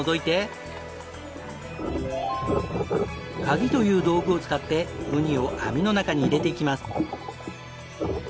カギという道具を使ってウニを網の中に入れていきます。